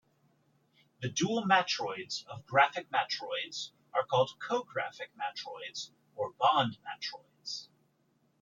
The dual matroids of graphic matroids are called co-graphic matroids or bond matroids.